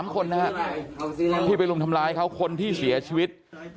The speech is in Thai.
๓คนนะฮะที่ไปรุมทำร้ายเขาคนที่เสียชีวิต